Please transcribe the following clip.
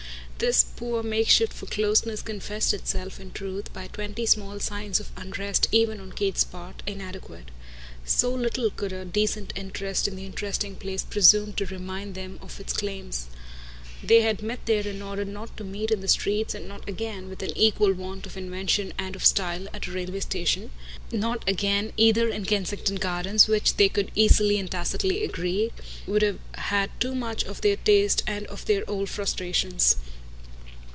This poor makeshift for closeness confessed itself in truth, by twenty small signs of unrest even on Kate's part, inadequate; so little could a decent interest in the interesting place presume to remind them of its claims. They had met there in order not to meet in the streets and not again, with an equal want of invention and of style, at a railway station; not again, either, in Kensington Gardens, which, they could easily and tacitly agree, would have had too much of the taste of their old frustrations.